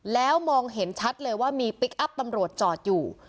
แล้วมองเห็นชัดเลยว่ามีพลิกอัพตำรวจจอดอยู่